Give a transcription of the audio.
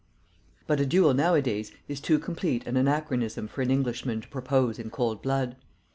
But a duel nowadays is too complete an anachronism for an Englishman to propose in cold blood.